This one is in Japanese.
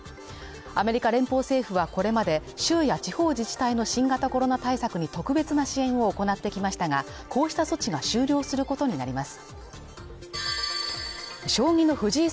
アメリカ連邦政府はこれまで、州や地方自治体の新型コロナ対策に特別な支援を行ってきましたが、こうした措置が終了することになります。